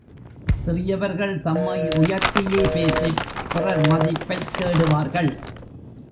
சிறியவர்கள் தம்மை உயர்த்தியே பேசிப் பிறர் மதிப்பைத் தேடுவார்கள்.